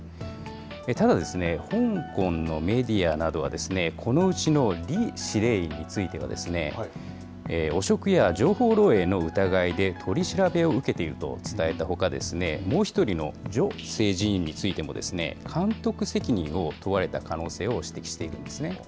ただですね、香港のメディアなどは、このうちの李司令員については、汚職や情報漏えいの疑いで取り調べを受けていると伝えたほか、もう１人の徐政治委員についても、監督責任を問われた可能性を指摘しているんですね。